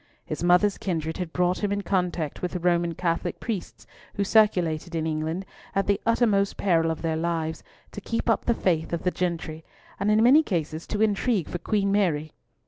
His mother's kindred had brought him in contact with the Roman Catholic priests who circulated in England, at the utmost peril of their lives, to keep up the faith of the gentry, and in many cases to intrigue for Queen Mary.